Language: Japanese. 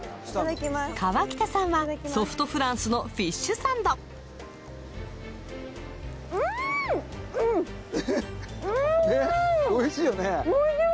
河北さんはソフトフランスのフィッシュサンドおいしいよね。